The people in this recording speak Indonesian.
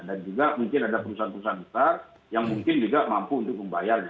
dan juga mungkin ada perusahaan perusahaan besar yang mungkin juga mampu untuk membayarnya